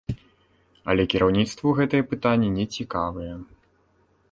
Але кіраўніцтву гэтыя пытанні нецікавыя.